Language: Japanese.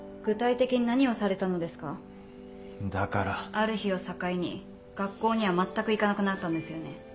ある日を境に学校にはまったく行かなくなったんですよね。